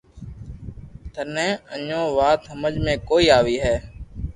ٿني اجھو وات ھمج ۾ ڪوئي آوي ھي